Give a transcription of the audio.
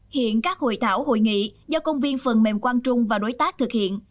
hiện các hội thảo hội nghị do công viên phần mềm quang trung và đối tác thực hiện